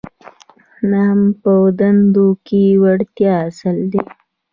نهم په دندو کې د وړتیا اصل دی.